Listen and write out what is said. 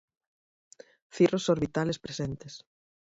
Cirros orbitales presentes.